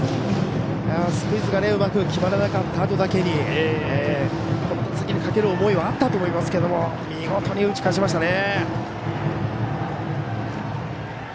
スクイズがうまく決まらなかったあとだけにこの打席にかける思いはあったんでしょうけど見事に打ち返しましたね。